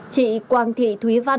chị quang thị thúy văn